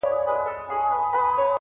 پر دغه لار که مي قدم کښېښود پاچا به سم-